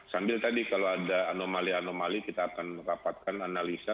sambil tadi kalau ada anomali anomali kita akan merapatkan analisa